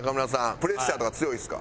プレッシャーとか強いですか？